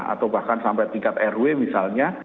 atau bahkan sampai tingkat rw misalnya